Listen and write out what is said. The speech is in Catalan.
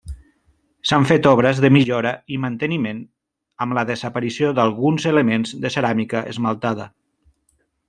S'han fet obres de millora i manteniment, amb la desaparició d'alguns elements de ceràmica esmaltada.